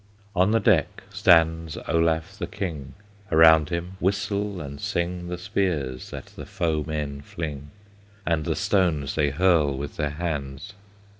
On the deck stands Olaf the King, Around him whistle and sing The spears that the foemen fling, And the stones they hurl with their hands.